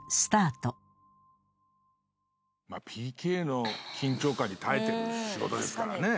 ＰＫの緊張感に耐えてる仕事ですからね。